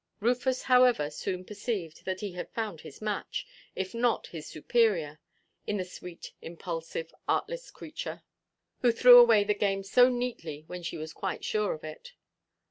Rufus, however, soon perceived that he had found his match, if not his superior, in the sweet impulsive artless creature, who threw away the game so neatly when she was quite sure of it.